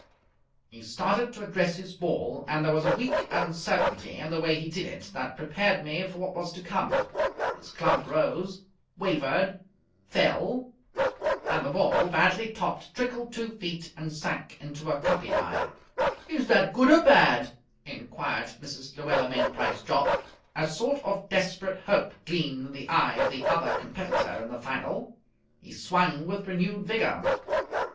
He started to address his ball, and there was a weak uncertainty in the way he did it that prepared me for what was to come. His club rose, wavered, fell; and the ball, badly topped, trickled two feet and sank into a cuppy lie. "Is that good or bad?" inquired Mrs. Luella Mainprice Jopp. A sort of desperate hope gleamed in the eye of the other competitor in the final. He swung with renewed vigour.